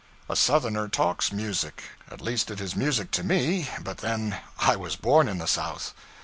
A Southerner talks music. At least it is music to me, but then I was born in the South.